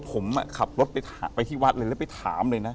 ผมขับรถไปที่วัดเลยแล้วไปถามเลยนะ